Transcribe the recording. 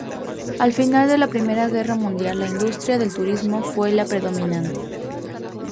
Al final de la Primera Guerra Mundial la industria del turismo fue la predominante.